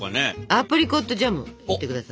アプリコットジャムを塗ってください。